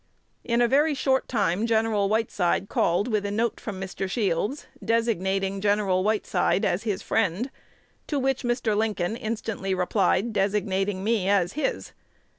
In a very short time Gen. Whiteside called with a note from Mr. Shields, designating Gen. Whiteside as his friend, to which Mr. Lincoln instantly replied, designating me as his.